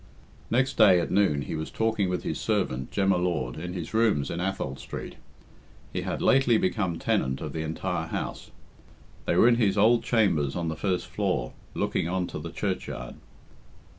Next day, at noon, he was talking with his servant, Jem y Lord, in his rooms in Athol Street. He had lately become tenant of the entire house. They were in his old chambers on the first floor, looking on to the churchyard.